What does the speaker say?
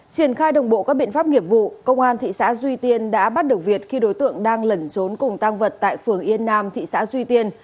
triển khai đồng bộ các biện pháp nghiệp vụ công an thị xã duy tiên đã bắt được việt khi đối tượng đang lẩn trốn cùng tăng vật tại phường yên nam thị xã duy tiên